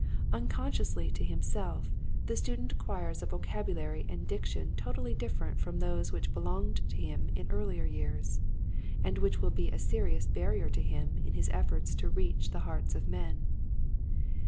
Unconsciously to himself the student acquires a vocabulary 1/6 Quiet Hints to Growing Preachers. and a diction totally different from those which belonged to him in earlier years, and which will be a serious barrier to him in his efforts to reach the hearts of men.